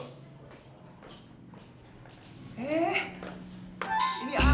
eh ini ayah nih